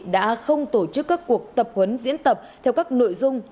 đã không tổ chức các cuộc tập huấn diễn tập theo các nội dung